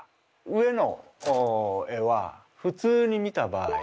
上の絵はふつうに見た場合。